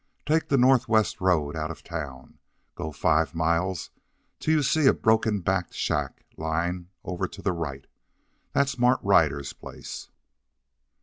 Take the northwest road out of town and go five miles till you see a broken backed shack lyin' over to the right. That's Mart Ryder's place."